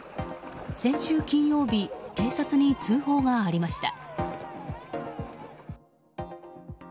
先週金曜日警察に通報がありました。